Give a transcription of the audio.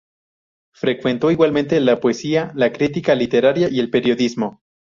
Frecuentó igualmente la poesía, la crítica literaria y el periodismo.